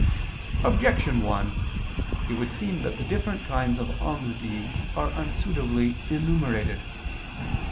Objection 1: It would seem that the different kinds of almsdeeds are unsuitably enumerated.